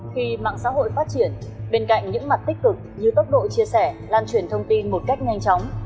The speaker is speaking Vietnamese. khi mạng xã hội phát triển bên cạnh những mặt tích cực như tốc độ chia sẻ lan truyền thông tin một cách nhanh chóng